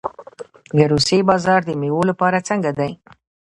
د روسیې بازار د میوو لپاره څنګه دی؟